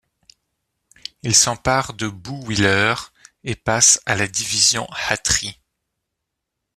Il s’empare de Bouxwiller et passe à la division Hatry.